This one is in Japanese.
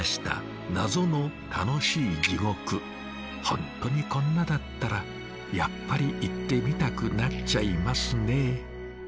本当にこんなだったらやっぱり行ってみたくなっちゃいますねえ。